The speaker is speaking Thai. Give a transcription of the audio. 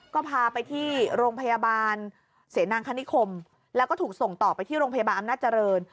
ก็พาไปที่โรงพยาบาลเสนางคณิคมแล้วก็ถูกส่งต่อไปที่โรงพยาบาลอำนาจเจริญ